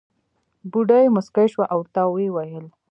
بوډۍ موسکۍ شوه او ورته وې وېل.